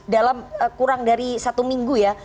dalam kurang dari satu minggu ya